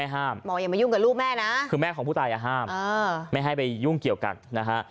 ห้ามคือแม่ของผู้ตายแยะห้ามไม่ให้ไปยุ่งเกี่ยวกันนะฮะ